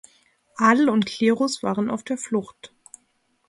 Adel und Klerus waren auf der Flucht.